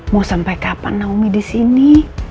mau sampai kapan naomi disini